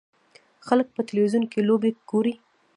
خلک په تلویزیون کې لوبې ګوري.